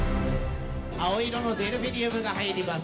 青色のデルフィニウムが入ります。